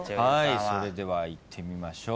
それではいってみましょう。